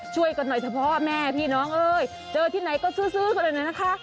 ช่วยกันหน่อยเฉพาะแม่พี่น้องเอ้ยเจอที่ไหนก็ซื้อกันเลยนะคะ